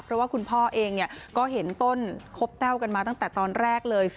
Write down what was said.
เพราะว่าคุณพ่อเองก็เห็นต้นคบแต้วกันมาตั้งแต่ตอนแรกเลย